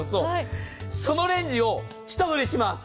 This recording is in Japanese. そのレンジを下取りします。